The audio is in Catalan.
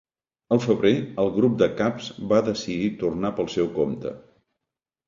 Al febrer, el grup de caps va decidir tornar pel seu compte.